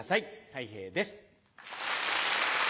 たい平です。